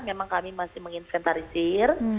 memang kami masih menginventarisir